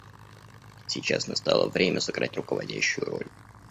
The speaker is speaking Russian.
Сейчас настало время сыграть руководящую роль.